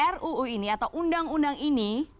ruu ini atau undang undang ini